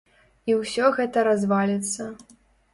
І ўсё гэта разваліцца.